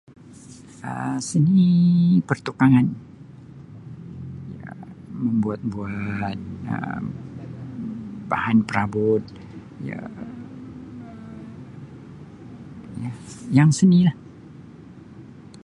Um Seni pertukangan ya membuat buat Um bahan perabot ya yang seni lah.